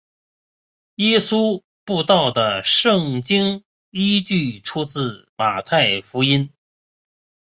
耶稣步道的圣经依据出自马太福音。